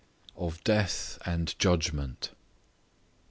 OF DEATH AND JUDGMENT.